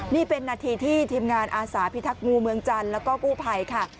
นี่เป็นนาทีที่ทีมงานอาสาพิทักษ์งูเมืองจันทร์แล้วก็กู้ภัยค่ะ